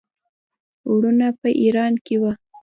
وروڼه په ایران کې وه.